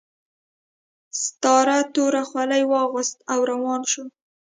ستار توره خولۍ واغوسته او روان شو